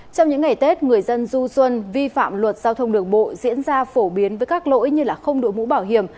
trong những ngày tết người dân du xuân vi phạm luật giao thông đường bộ diễn ra phổ biến với các lỗi như không đội mũ bảo hiểm